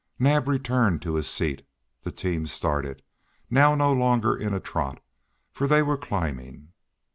Naab returned to his seat; the team started, now no longer in a trot; they were climbing.